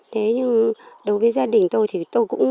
thế nhưng đối với gia đình tôi thì tôi cũng